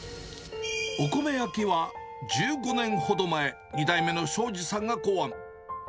おこめ焼きは、１５年ほど前、２代目の昭治さんが考案。